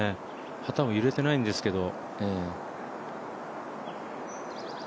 旗も揺れていないんですけど。